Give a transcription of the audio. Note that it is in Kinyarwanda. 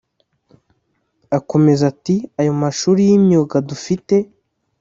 Akomeza ati “ Ayo mashuri y’imyuga dufite